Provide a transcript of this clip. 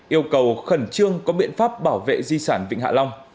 yêu cầu khẩn trương có biện pháp bảo vệ di sản vịnh hạ long